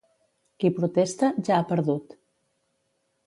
Qui protesta, ja ha perdut.